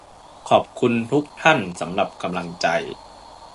ขอบคุณทุกท่านสำหรับกำลังใจ